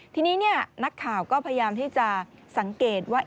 ทีนี้นักข่าวก็พยายามที่จะสังเกตว่า